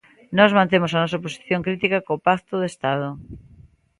Nós mantemos a nosa posición crítica co pacto de Estado.